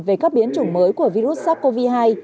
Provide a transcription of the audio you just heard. về các biến chủng mới của virus sars cov hai